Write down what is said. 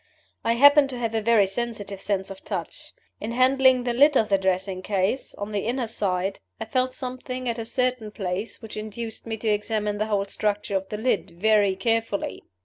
I happen to have a very sensitive sense of touch. In handling the lid of the dressing case, on the inner side I felt something at a certain place which induced me to examine the whole structure of the lid very carefully.